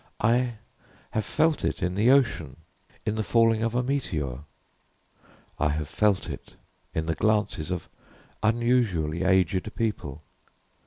I have felt it in the ocean in the falling of a meteor. I have felt it in the glances of unusually aged people.